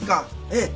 ええ。